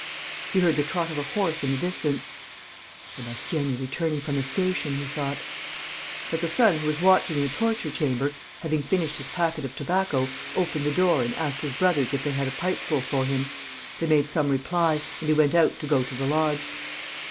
He heard the trot of a horse in the distance: "Sébastiani returning from the station," he thought. But the son who was watching in the torture chamber, having finished his packet of tobacco, opened the door and asked his brothers if they had a pipeful for him. They made some reply; and he went out to go to the lodge.